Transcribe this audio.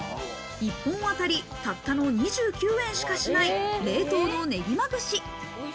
一本あたり、たったの２９円しかしない冷凍のねぎま串。